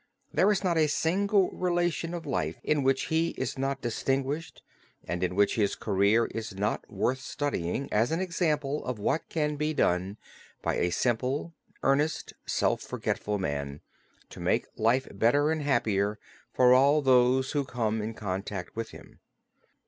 There is not a single relation of life in which he is not distinguished and in which his career is not worth studying, as an example of what can be done by a simple, earnest, self forgetful man, to make life better and happier for all those who come in contact with him.